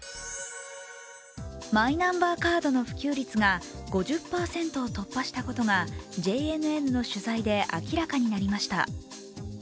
マイナンバーカードの普及率が５０％を突破したことがＪＮＮの取材で明らかになりました。